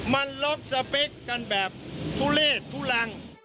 มันล็อกสเปคกันแบบทุเลศทุลัง